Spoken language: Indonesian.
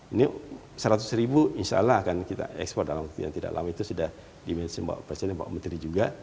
ini seratus ribu insya allah akan kita ekspor dalam waktu yang tidak lama itu sudah dimensi bapak presiden dan pak menteri juga